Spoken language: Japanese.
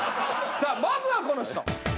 さあまずはこの人！